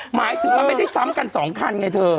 หมายถึงมันไม่ได้ซ้ำกัน๒คันไงเธอ